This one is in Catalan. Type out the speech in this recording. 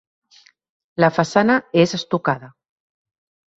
La façana és estucada.